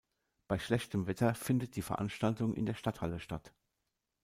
Bei schlechtem Wetter findet die Veranstaltung in der Stadthalle statt.